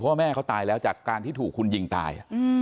ว่าแม่เขาตายแล้วจากการที่ถูกคุณยิงตาย